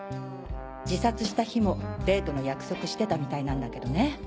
自殺した日もデートの約束してたみたいなんだけどね。